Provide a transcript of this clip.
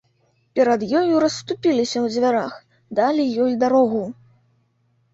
Перад ёю расступіліся ў дзвярах, далі ёй дарогу.